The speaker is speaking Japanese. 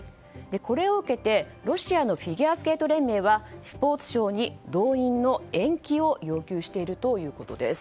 これを受けて、ロシアのフィギュアスケート連盟はスポーツ省に動員の延期を要求しているということです。